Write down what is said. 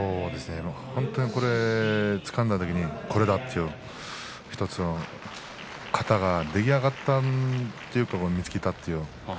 本当に、これつかんだときにこれだという１つの型が出来上がったというか見つけたという。